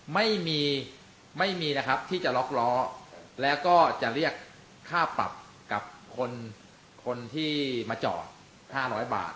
ไม่มีไม่มีนะครับที่จะล็อกล้อแล้วก็จะเรียกค่าปรับกับคนที่มาจอด๕๐๐บาท